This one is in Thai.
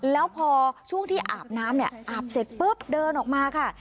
แล้วพอช่วงที่อาบน้ำอาบเสร็จเดินออกมา